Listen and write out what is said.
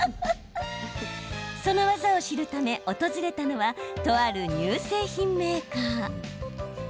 その技を知るため訪れたのはとある乳製品メーカー。